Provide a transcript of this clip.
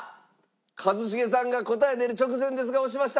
一茂さんが答え出る直前ですが押しました。